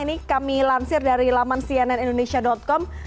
ini kami lansir dari laman cnnindonesia com